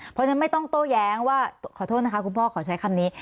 เพราะฉะนั้นไม่ต้องโต้แย้งว่าขอโทษนะคะคุณพ่อขอใช้คำนี้